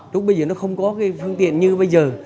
lúc bây giờ nó không có cái phương tiện như bây giờ